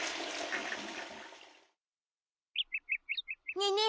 ねえねえ